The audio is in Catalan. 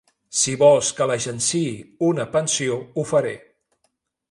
Si vols que li agenciï una pensió, ho faré.